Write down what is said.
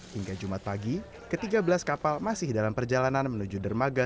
hingga jumat pagi ke tiga belas kapal masih dalam perjalanan menuju dermaga